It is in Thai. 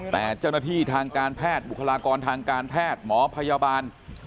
แต่เจ้าหน้าที่ทางการแพทย์บุคลากรทางการแพทย์หมอพยาบาล